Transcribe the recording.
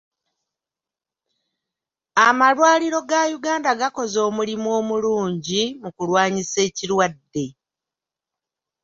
Amalwaliro ga Uganda gakoze omulimu omulungi mu kulwanisa ekirwadde.